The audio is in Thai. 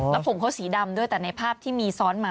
แล้วผมเขาสีดำด้วยแต่ในภาพที่มีซ้อนมา